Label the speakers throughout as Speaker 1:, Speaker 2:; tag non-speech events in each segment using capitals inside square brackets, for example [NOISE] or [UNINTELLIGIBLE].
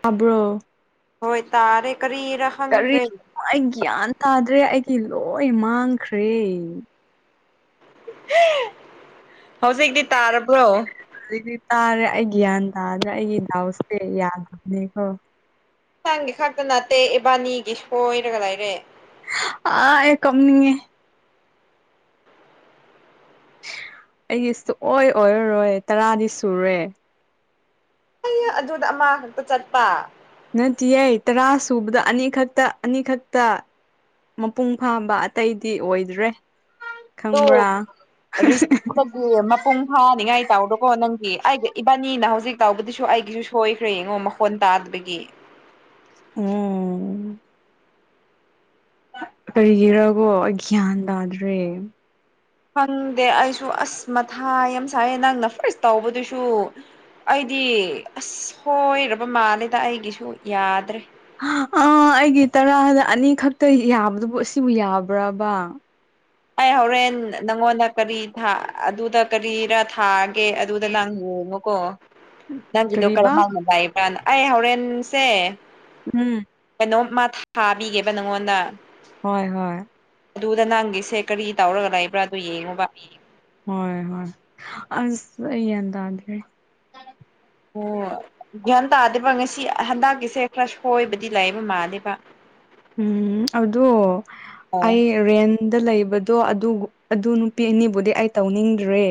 Speaker 1: ꯇꯕ꯭ꯔꯣ
Speaker 2: ꯍꯣꯏ ꯇꯥꯔꯦ ꯀꯔꯤꯔꯥ
Speaker 1: ꯀꯔꯤꯣ
Speaker 2: ꯈꯪꯗ꯭ꯔꯦ
Speaker 1: ꯑꯩ ꯒ꯭ꯌꯥꯟ ꯇꯥꯗ꯭ꯔꯦ ꯑꯩꯒꯤ ꯂꯣꯏ ꯃꯥꯡꯈ꯭ꯔꯦ
Speaker 2: ꯍꯧꯖꯤꯛꯛꯇꯗꯤ ꯇꯥꯔꯕ꯭ꯔꯣ
Speaker 1: ꯍꯧꯖꯤꯛꯇꯤ ꯇꯥꯔꯦ ꯑꯩ ꯒ꯭ꯌꯥꯟ ꯇꯥꯗ꯭ꯔꯦ ꯑꯩꯒꯤ ꯗꯥꯎꯁꯦ ꯌꯥꯗꯕꯅꯦꯀꯣ
Speaker 2: ꯅ ꯅꯪꯒꯤ ꯈꯛꯇ ꯅꯠꯇꯦ ꯏꯕꯥꯅꯤꯒꯤ ꯁꯣꯏꯔꯒ ꯂꯩꯔꯦ
Speaker 1: ꯑꯥ ꯑꯦ ꯀꯝꯅꯤꯌꯦ ꯑꯩꯒꯤꯇ ꯑꯣꯏ ꯑꯣꯏꯔꯔꯣꯏ ꯇꯔꯥꯗꯤ ꯁꯨꯔꯦ
Speaker 2: ꯑꯗꯨꯗ ꯑꯃ ꯈꯛꯇ ꯆꯠꯄ
Speaker 1: ꯅꯠꯇꯌꯦꯦ ꯇꯔꯥ ꯁꯨꯕꯗ ꯑꯅꯤꯈꯛꯇ ꯑꯅꯤꯈꯛꯇ ꯃꯄꯨꯡ ꯐꯥꯕ ꯑꯇꯩꯗꯤ ꯑꯣꯏꯗ꯭ꯔꯦ ꯈꯪꯕ꯭ꯔꯥ
Speaker 2: ꯔꯤ ꯄꯨꯡ ꯐꯥꯅꯤꯡꯉꯥꯏ ꯇꯥꯎꯕꯀꯣ ꯅꯪꯒꯤ ꯑꯩꯒꯤ ꯏꯕꯥꯅꯤꯅ ꯍꯧꯖꯤꯛ ꯇꯥꯎꯕꯗꯨꯁꯨ ꯑꯩꯒꯤꯁꯨ ꯁꯣꯏꯈ꯭ꯔꯦ ꯌꯦꯡꯉꯣ ꯃꯈꯣꯟ ꯇ ꯇꯥꯠꯕꯤꯒꯤ
Speaker 1: ꯎꯝ ꯄꯔꯤꯒꯤꯔꯒꯣ ꯭ꯌꯥꯟꯗꯗ꯭ꯔꯦ
Speaker 2: ꯐꯪꯗꯦ ꯑꯩꯁꯨ ꯑꯁ ꯃꯊꯥꯏ ꯌꯥꯝ ꯁꯥꯏꯌꯦ ꯅꯪꯅ ꯐꯔꯁ ꯇꯥꯎꯧꯕꯗꯨꯁꯨ ꯑꯩꯗꯤ ꯑꯁꯣꯏꯔꯕ ꯃꯥꯜꯂꯦꯗ ꯑꯩꯒꯤꯁꯨ ꯌꯥꯗ꯭ꯔꯦ
Speaker 1: ꯑꯥ ꯑꯩꯒꯤ ꯇꯔꯥꯗ ꯑꯅꯤ ꯈꯛꯇ ꯌꯥꯕꯗꯨꯕꯨ ꯑꯁꯤꯕꯨ ꯌꯥꯕ꯭ꯔꯥꯕ
Speaker 2: ꯑꯩ ꯍꯣꯔꯦꯟ ꯅꯪꯉꯣꯟꯗ ꯀꯔꯤ ꯑꯗꯨꯗ ꯀꯔꯤꯔ ꯊꯥꯒꯦ ꯑꯣ ꯀꯦ ꯑꯗꯨꯗ ꯅꯪ ꯌꯦꯡꯉꯨꯀꯣ ꯅꯪꯒꯤꯗꯣ ꯀꯔ
Speaker 1: ꯀꯔꯤꯕꯥ
Speaker 2: ꯃꯥꯟꯅ ꯂꯥꯏꯏꯕ꯭ꯔꯥꯅ ꯑꯩ ꯍꯣꯔꯦꯟꯁꯦ
Speaker 1: ꯎꯝ
Speaker 2: ꯅ ꯃꯥ ꯊꯥꯕꯤꯒꯦꯕ ꯅꯪꯉꯣꯟꯗ
Speaker 1: ꯍꯣꯏ ꯍꯣꯏ
Speaker 2: ꯑꯗꯨꯗ ꯅꯪꯒꯤꯁꯦ ꯀꯔꯤ ꯇꯧꯔꯒ ꯂꯩ
Speaker 1: ꯍꯣꯏ ꯍꯣꯏ ꯑ ꯇ
Speaker 2: ꯑꯣ ꯒ꯭ꯌꯥꯟ ꯇꯥꯗꯦꯕ ꯉꯁꯤ ꯍꯟꯗꯛꯀꯤꯁꯦ ꯈꯔ ꯁꯣꯏꯕꯗꯤ ꯂꯩꯑꯕ ꯃꯥꯜꯅꯦꯦꯕ
Speaker 1: ꯎꯝ ꯑꯗꯨ
Speaker 2: ꯑꯣ
Speaker 1: ꯑꯩ ꯔꯦꯟ ꯗ ꯂꯩꯕꯗꯣ ꯑꯗꯨ ꯑꯗꯨ ꯅꯨꯄꯤ ꯑꯅꯤꯕꯨꯗꯤ ꯑꯩ ꯇꯧꯅꯤꯡꯗ꯭ꯔꯦ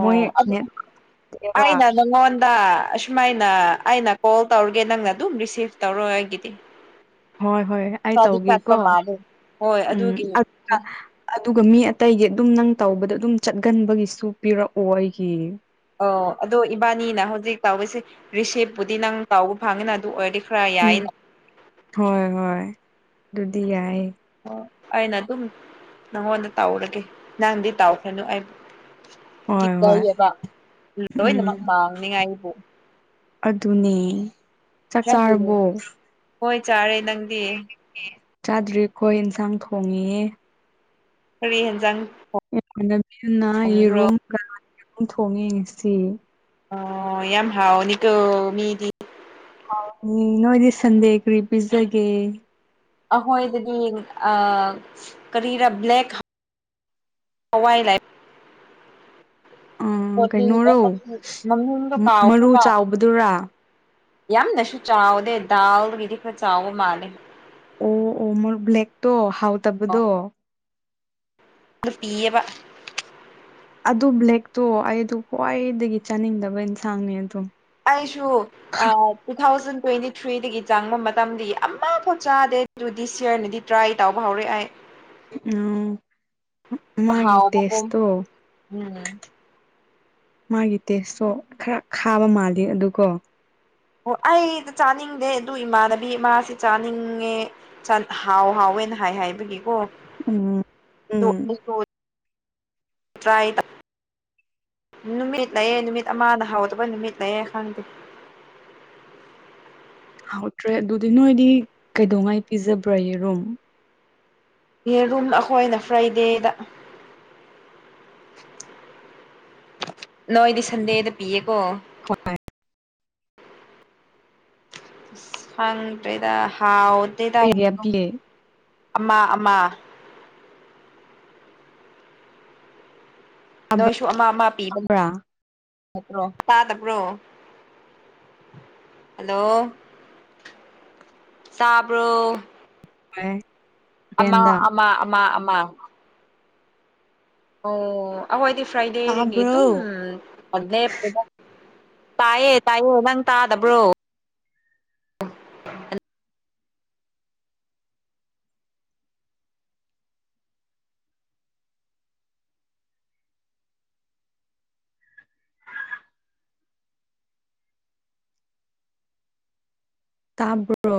Speaker 1: ꯃꯣꯏ
Speaker 2: ꯑꯗꯨ
Speaker 1: ꯅꯦꯠꯕ
Speaker 2: ꯍꯥꯏꯅ ꯅ ꯗ ꯑꯁꯨꯃꯥꯏꯅ ꯑꯩꯅ ꯀꯣꯜ ꯇꯧꯔꯒꯦ ꯅꯪꯅ ꯑꯗꯨꯝ ꯔꯤꯁꯤꯞ ꯇꯧꯔ ꯑꯩꯒꯤꯗꯤ
Speaker 1: ꯍꯣꯏ ꯍꯣꯏ ꯑꯩ
Speaker 2: ꯈꯔꯗꯤ ꯆꯠꯄ
Speaker 1: ꯇꯧꯒꯦꯀꯣ
Speaker 2: ꯃꯥꯜꯂꯦ ꯍꯣꯏ
Speaker 1: ꯎꯝ
Speaker 2: ꯑꯗꯨꯒꯤ
Speaker 1: ꯑꯗꯨꯒ ꯃꯤ ꯑꯇꯩꯒꯤ ꯑꯗꯨꯝ ꯅꯪ ꯇꯧꯕꯗ ꯑꯗꯨꯝ ꯆꯠꯒꯟꯕꯒꯤꯁꯨ ꯄꯤꯔꯛꯑꯣ ꯑꯩꯒꯤ
Speaker 2: ꯑꯣ ꯑꯗꯣ ꯏꯕꯥꯅꯤꯅ ꯍꯧꯖꯤꯛ ꯇꯥꯎꯁꯦ ꯔꯤꯁꯤꯞꯄꯨꯗꯤ ꯅꯪ ꯇꯥꯎꯕ ꯐꯪꯉꯤꯅ ꯑꯗꯨ ꯑꯣꯏꯔꯗꯤ ꯈꯔ
Speaker 1: ꯎꯝ
Speaker 2: ꯌꯥꯏꯅ
Speaker 1: ꯍꯣꯏ ꯍꯣꯏ ꯑꯗꯨꯗꯤ ꯌꯥꯏ
Speaker 2: ꯑꯩꯅ ꯑꯗꯨꯝ ꯅꯪꯉꯣꯟꯗ ꯇꯥꯎꯔꯒꯦ ꯅꯪꯗꯤ ꯇꯥꯎꯈ꯭ꯔꯅꯨ ꯑꯩꯕꯨ ꯀꯤ
Speaker 1: ꯍꯣꯏ ꯍꯣꯏ
Speaker 2: ꯀꯩꯑꯕ
Speaker 1: ꯎꯝ
Speaker 2: ꯂꯣꯏꯅꯃꯛ ꯃꯥꯡꯅꯤꯉꯥꯏꯕꯨ
Speaker 1: ꯑꯗꯨꯅꯦ ꯆꯥꯛ
Speaker 2: ꯅꯪꯒꯤꯅꯦ
Speaker 1: ꯆꯥꯔꯕꯣ
Speaker 2: ꯍꯣꯏ ꯆꯥꯔꯦ ꯅꯪꯗꯤ
Speaker 1: ꯆꯥꯗ꯭ꯔꯤꯈꯣꯏ ꯏꯟꯁꯥꯡ ꯊꯣꯡꯉꯑ
Speaker 2: ꯀꯔꯤ ꯌꯦꯟꯖꯥꯡ
Speaker 1: ꯏꯃꯥꯟꯅꯕꯤꯅ
Speaker 2: ꯊꯣꯡꯕ꯭ꯔꯣ
Speaker 1: ꯌꯦꯔꯨꯝꯒ ꯑꯗꯨꯝ ꯊꯣꯡꯉꯦ ꯉꯁꯤ
Speaker 2: ꯑ ꯌꯥꯝ ꯍꯥꯎꯅꯤꯀ ꯃꯤꯗꯤ
Speaker 1: ꯅꯣꯏꯣꯏꯗꯤ ꯁꯟꯗꯦ ꯀ꯭ꯔꯤ ꯄꯤꯖꯒꯦ
Speaker 2: ꯑꯩꯈꯣꯏꯗꯗꯤ ꯑ ꯀꯔꯤꯔꯥ ꯕ꯭ꯂꯦꯛ ꯍꯋꯥꯏ ꯂꯥꯏꯐ
Speaker 1: ꯎꯝ
Speaker 2: ꯍꯣꯂꯤ
Speaker 1: ꯀꯩꯅꯣꯔꯣ
Speaker 2: ꯃꯃꯗ ꯀꯥꯁꯨ
Speaker 1: ꯃꯔꯨ
Speaker 2: ꯀꯥ
Speaker 1: ꯆꯥꯎꯕꯗꯨꯔꯥ
Speaker 2: ꯌꯥꯝꯅꯁꯨ ꯆꯥꯎꯗꯦ ꯗꯥꯜꯒꯤꯗꯤ ꯈꯔ ꯆꯥꯎꯕ ꯃꯥꯜꯂꯦ
Speaker 1: ꯑꯣ ꯑꯣ ꯃꯣꯔ ꯕ꯭ꯂꯦꯛ ꯇꯣ ꯍꯥꯎ ꯇꯕꯗꯣ
Speaker 2: ꯑꯗꯨ ꯄꯤꯌꯦꯕ
Speaker 1: ꯑꯗꯨ ꯕ꯭ꯂꯦꯛꯇꯣ ꯑꯩꯗꯨ ꯈ꯭ꯋꯥꯏꯗꯒꯤ ꯆꯥꯅꯤꯡꯗꯕ ꯏꯟꯁꯥꯡꯅꯤ ꯑꯗꯨ
Speaker 2: ꯑꯩꯁꯨ ꯑ ꯇꯨ ꯊꯥꯎꯖꯟ ꯇ꯭ꯋꯦꯟꯇꯤ ꯊ꯭ꯔꯤꯗꯒꯤ ꯆꯪꯕ ꯃꯇꯝꯗꯤ ꯑꯃ ꯄꯣꯠ ꯆꯥꯗꯦ ꯑꯗꯨꯗꯤ ꯗꯤꯁ ꯌꯔꯅꯗꯤ ꯇ꯭ꯔꯥꯏ ꯇꯨꯕ ꯍꯧꯔꯦ ꯑꯩ
Speaker 1: ꯎꯝ ꯃꯥꯒꯤ
Speaker 2: ꯍꯥꯎꯕꯀꯣ
Speaker 1: ꯇꯦꯁꯇꯣ
Speaker 2: ꯎꯝ
Speaker 1: ꯃꯥꯒꯤ ꯇꯦꯁꯇꯣ ꯈꯔ ꯈꯥꯕ ꯃꯥꯜꯂꯤ ꯑꯗꯨꯀꯣ
Speaker 2: ꯑꯣ ꯑꯩꯗꯤ ꯆꯥꯅꯤꯡꯗꯦ ꯑꯗꯨ ꯏꯃꯥꯟꯅꯕꯤ ꯑꯃꯁꯤ ꯆꯥꯅꯤꯡꯉꯦ ꯍꯥꯎ ꯍꯥꯎꯋ ꯑꯩꯅ ꯍꯥꯏ ꯍꯥꯏꯕꯒꯤꯀꯣ
Speaker 1: ꯎꯝ
Speaker 2: ꯑꯗꯨ
Speaker 1: ꯎꯝ
Speaker 2: ꯑꯩꯁꯨ ꯇ꯭ꯔꯥꯏ ꯇ ꯅꯨꯃꯤꯠ ꯂꯩꯌꯦ ꯅꯨꯃꯤꯠ ꯑꯃꯗ ꯍꯥꯎꯗꯕ ꯅꯨꯃꯤꯠ ꯂꯩꯌꯦ ꯈꯪꯗꯦ
Speaker 1: ꯍꯥꯎꯇ꯭ꯔꯦ ꯑꯗꯨꯗꯤ ꯅꯣꯏꯗꯤ ꯀꯩꯗꯧꯉꯩ ꯄꯤꯖꯕ꯭ꯔꯥ ꯌꯦꯔꯨꯝ
Speaker 2: ꯌꯦꯔꯨꯝ ꯑꯈꯣꯏꯅ ꯐ꯭ꯔꯥꯏꯗꯦꯗ ꯅꯣꯏꯗꯤ ꯁꯟꯗꯦꯗ ꯄꯤꯌꯦꯀꯣ
Speaker 1: ꯍꯣꯏ
Speaker 2: ꯈꯪ ꯇ꯭ꯔꯦꯗ ꯍꯥꯥꯎꯇꯦꯗ
Speaker 1: ꯀꯌꯥ ꯄꯤꯌꯦ
Speaker 2: [UNINTELLIGIBLE] ꯑꯃꯥ ꯑꯃꯥ
Speaker 1: ꯆꯥꯕ꯭ꯔꯥ
Speaker 2: ꯅꯣꯏꯁꯨ ꯑꯃ ꯑꯃ ꯄꯤꯕ ꯅꯠꯇ꯭ꯔꯣ ꯇꯥꯗꯕ꯭ꯔꯣ ꯍꯜꯂꯣ ꯇꯥꯕ꯭ꯔꯣ
Speaker 1: [UNINTELLIGIBLE]
Speaker 2: ꯑꯃ
Speaker 1: ꯔꯦꯟꯗ
Speaker 2: ꯑꯃ ꯑꯃ ꯑꯃ ꯑꯣ ꯑꯍꯣꯏꯗꯤ ꯐ꯭ꯔꯥꯏꯗꯦꯗꯒꯤ ꯑꯗꯨꯝ
Speaker 1: ꯇꯥꯕ꯭ꯔꯣ
Speaker 2: [UNINTELLIGIBLE] ꯇꯥꯏꯌꯦ ꯇꯥꯏꯌꯦ ꯅꯪ ꯇꯥꯗꯕ꯭ꯔꯣ
Speaker 1: ꯇꯥꯕ꯭ꯔꯣ